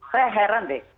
saya heran deh